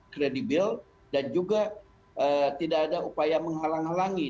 kredibel dan juga tidak ada upaya menghalang halangi